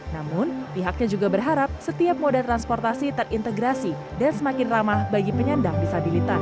namun pihaknya juga berharap setiap moda transportasi terintegrasi dan semakin ramah bagi penyandang disabilitas